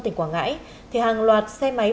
tỉnh quảng ngãi thì hàng loạt xe máy